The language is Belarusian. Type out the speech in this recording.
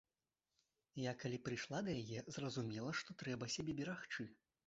Я калі прыйшла да яе, зразумела, што трэба сябе берагчы.